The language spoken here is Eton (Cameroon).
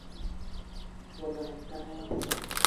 Owono a ne tank ya ?